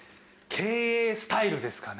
経営スタイルですかね。